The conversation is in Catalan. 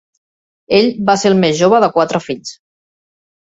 Ell va ser el més jove de quatre fills.